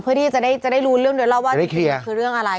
เพื่อที่จะได้รู้เรื่องเดี๋ยวเราว่าคือเรื่องอะไร